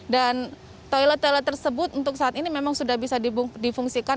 dan toilet toilet tersebut untuk saat ini memang sudah bisa difungsikan